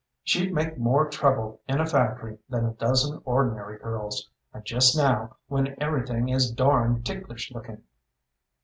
She'd make more trouble in a factory than a dozen ordinary girls, and just now, when everything is darned ticklish looking."